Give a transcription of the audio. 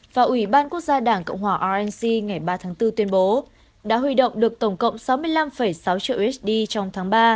và ủy ban quốc gia đảng cộng hòa arensi ngày ba tháng bốn tuyên bố đã huy động được tổng cộng sáu mươi năm sáu triệu usd trong tháng ba